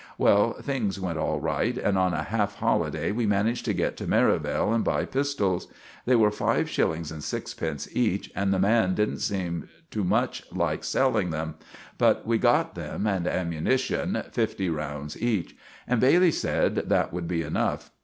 Well, things went alright, and on a half holiday we managed to get to Merivale and buy pistells. They were five shillings and sixpence each, and the man didn't seem to much like selling them; but we got them, and amunition fifty rounds each. And Bailey sed that would be enough.